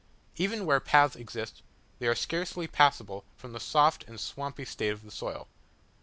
Even where paths exist, they are scarcely passable from the soft and swampy state of the soil.